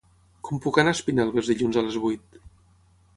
Com puc anar a Espinelves dilluns a les vuit?